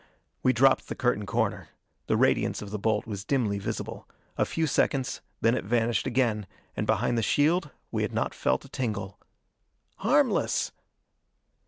We dropped the curtain corner. The radiance of the bolt was dimly visible. A few seconds, then it vanished again, and behind the shield we had not felt a tingle. "Harmless!"